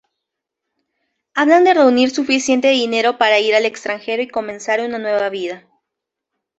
Hablan de reunir suficiente dinero para ir al extranjero y comenzar una nueva vida.